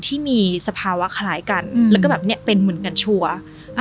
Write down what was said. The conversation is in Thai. ที่มีสภาวะคล้ายกันอืมแล้วก็แบบเนี้ยเป็นเหมือนกันชัวร์อ่า